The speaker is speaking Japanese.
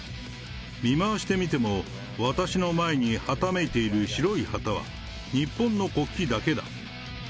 見回してみても、私の前にはためいている白い旗は日本の国旗だけだ。